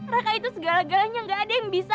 raka itu segala galanya gak ada yang bisa